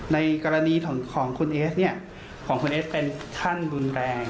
ในกรณีของคุณเอสเนี่ยของคุณเอสเป็นท่านรุนแรง